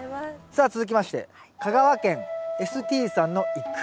さあ続きまして香川県Ｓ．Ｔさんの一句。